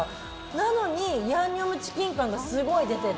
なのに、ヤンニョムチキン感がすごい出てる。